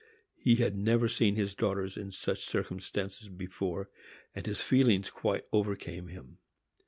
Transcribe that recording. He had never seen his daughters in such circumstances before, and his feelings quite overcame him.